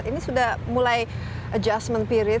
ini sudah mulai adjustment period